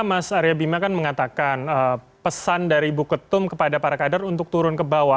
mas arya bima kan mengatakan pesan dari ibu ketum kepada para kader untuk turun ke bawah